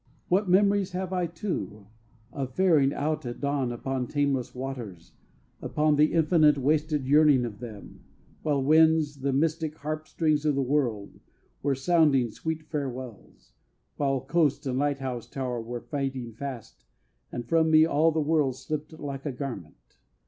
What memories have I, too, Of faring out at dawn upon tameless waters, Upon the infinite wasted yearning of them, While winds, the mystic harp strings of the world, Were sounding sweet farewells; While coast and lighthouse tower were fading fast, And from me all the world slipped like a garment.